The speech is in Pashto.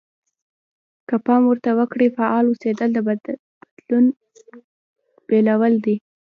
که پام ورته وکړئ فعال اوسېدل د بدلون پيلول دي.